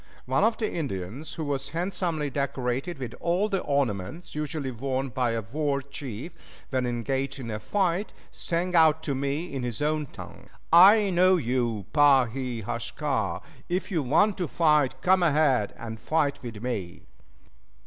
One of the Indians, who was handsomely decorated with all the ornaments usually worn by a war chief when engaged in a fight, sang out to me, in his own tongue, "I know you, Pa he haska; if you want to fight, come ahead and fight me."